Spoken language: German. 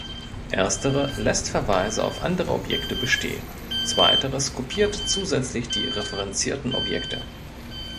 Erstere lässt Verweise auf andere Objekte bestehen, zweiteres kopiert zusätzlich die referenzierten Objekte.